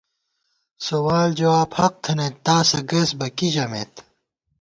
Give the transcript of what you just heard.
سوال جواب حق تھنَئیت تاسہ گَئیسبَہ کی ژَمېت